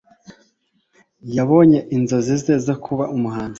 Yabonye inzozi ze zo kuba umuhanzi